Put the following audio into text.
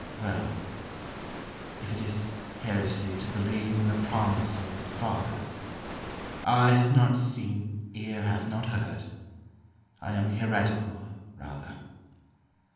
Well, if it is heresy to believe In the promise of the Father, "Eye hath not seen, ear hath not heard," I am heretical, rather.